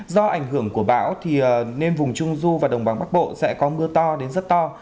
do ảnh hưởng của bão thì nên vùng trung du và đồng bằng bắc bộ sẽ có mưa to đến rất to